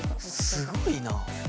すごいなあ。